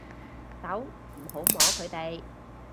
手，唔好摸佢哋